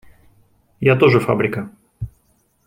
Я тоже фабрика.